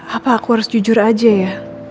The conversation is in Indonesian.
apa aku harus jujur aja ya